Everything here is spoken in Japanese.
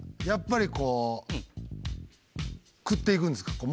やっぱりこう繰っていくんですか？